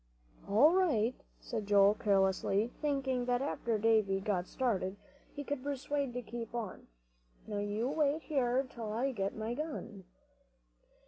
"All right," said Joel, carelessly, thinking that after Davie got started he could persuade him to keep on. "Now, you wait here till I get my gun."